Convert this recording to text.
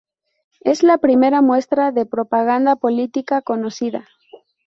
Es la primera muestra de propaganda política conocida.